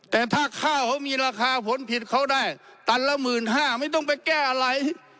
แต่ถ้าข้าวเขามีราคาผลผิดเขาได้ตันละ๑๕๐๐บาทไม่ต้องไปแก้อะไร